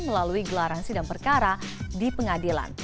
melalui gelaransi dan perkara di pengadilan